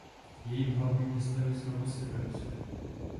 Jejím hlavním městem je Novosibirsk.